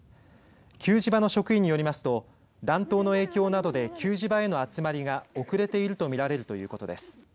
給餌場の職員によりますと暖冬の影響などで給餌場への集まりが遅れているとみられるということです。